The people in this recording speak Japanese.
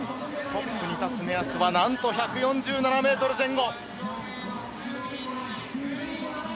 トップに立つ目安はなんと１４７メートル前後。